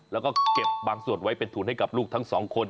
แล้วก็เก็บบางส่วนไว้เป็นทุนให้กับลูกทั้งสองคน